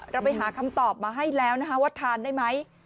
เราไปหาคำตอบมาให้แล้วนะคะว่าทานได้ไหม